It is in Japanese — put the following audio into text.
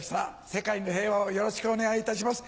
世界の平和をよろしくお願いいたします。